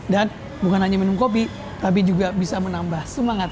dan bukan hanya minum kopi tapi juga bisa menambah semangat hari